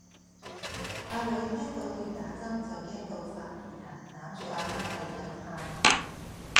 阿女聽到要打針就驚到發蹄騰攬住阿媽喺咁喊